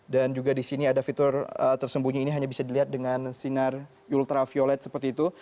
dan juga di sini ada fitur tersembunyi ini hanya bisa dilihat dengan sinar ultraviolet seperti itu